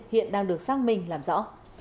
hiện đang được xác minh làm rõ